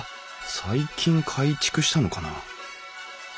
最近改築したのかなあ。